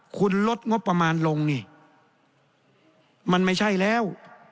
คุณลดงบประมาณลงนี่มันไม่ใช่แล้ว